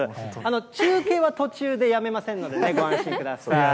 中継は途中でやめませんのでね、ご安心ください。